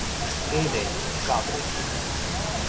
雞未啼，狗未吠